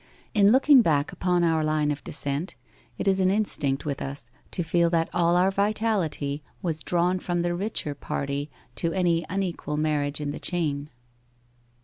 In looking back upon our line of descent it is an instinct with us to feel that all our vitality was drawn from the richer party to any unequal marriage in the chain.